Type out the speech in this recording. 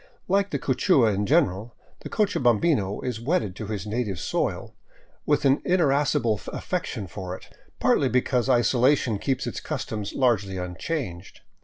Like the Quichua in general, the cochabambino is wedded to his native soil, with an ineradicable affection for it, partly because isolation keeps its customs largely unchanged.